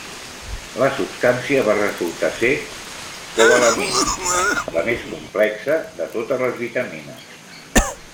La substància va resultar ser cobalamina -la més complexa de totes les vitamines-.